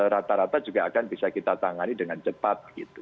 rata rata juga akan bisa kita tangani dengan cepat